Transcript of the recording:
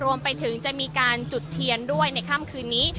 รวมไปถึงจะมีการจุดเทียนด้วยในค่ำคืนนี้